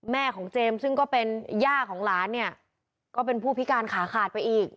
แม่ของเจมส์ซึ่งก็เป็นย่าของหลานเนี่ยก็เป็นผู้พิการขาขาดไปอีก